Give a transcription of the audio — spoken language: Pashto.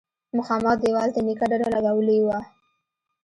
مخامخ دېوال ته نيکه ډډه لگولې وه.